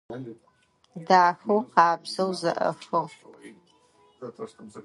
Дахэу, къабзэу зэӏэхыгъ.